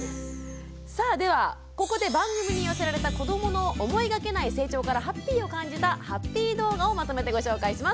さあではここで番組に寄せられた子どもの思いがけない成長からハッピーを感じたハッピー動画をまとめてご紹介します。